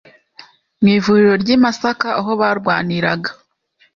mu ivuriro ry'i Masaka aho barwaniraga